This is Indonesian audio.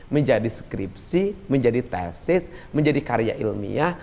menjadi skripsi menjadi tesis menjadi karya ilmiah